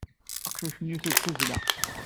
Aqcic-nni yusa-d d tazzla.